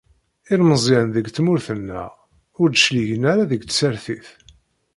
Ilmeẓyen n tmurt-nneɣ ur d-cligen ara deg tsertit.